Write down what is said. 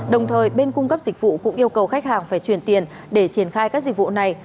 đồng thời bên cung cấp dịch vụ cũng yêu cầu khách hàng phải truyền tiền để triển khai các dịch vụ này